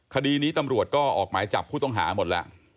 คดีนี้ตำรวจก็ออกหมายจับผู้ต้องหาหมดแล้ว